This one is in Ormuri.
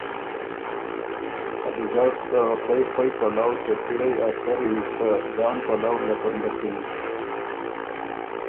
ا دُوګډ ته خؤئ خؤئ پلؤ ته پِړئ ا سري ته ځان پلؤ لکنډکِن